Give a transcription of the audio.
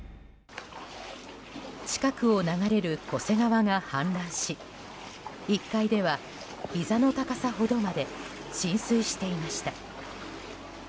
近くを流れる巨瀬川が氾濫し１階では、ひざの高さほどまで浸水していました。